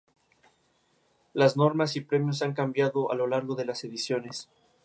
Las normas y premios han cambiado a lo largo de las ediciones.